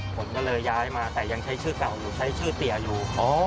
ผมก็เลยย้ายมาแต่ยังใช้ชื่อเก่าอยู่ใช้ชื่อเตี๋ยอยู่